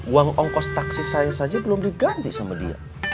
uang ongkos taksi saya saja belum diganti sama dia